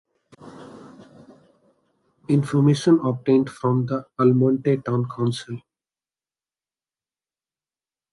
Information obtained from the Almonte Town Council.